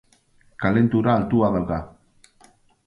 Kalentura altua dauka.